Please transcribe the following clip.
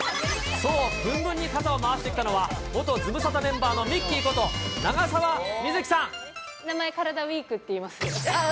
そう、ぶんぶんに肩を回してきたのは、元ズムサタメンバーのみっきーこと、名前、カラダＷＥＥＫってい違います。